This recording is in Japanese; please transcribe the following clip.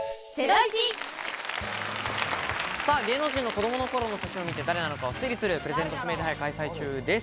芸能人の子供の頃の写真を見て誰なのかを推理するプレゼント指名手配を開催中です。